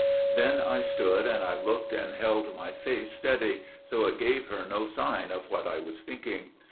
Then I stood and I looked and held my face steady, So it gave her no sign of what I was thinking.